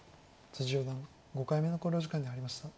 四段５回目の考慮時間に入りました。